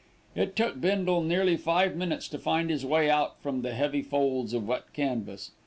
It took Bindle nearly five minutes to find his way out from the heavy folds of wet canvas.